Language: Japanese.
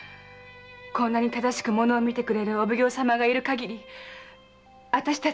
こんなに正しくものを見てくれるお奉行様がいる限り私たちは大丈夫だって。